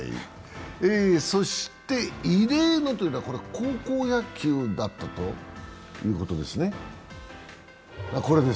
そして異例のというのは高校野球だったということですね。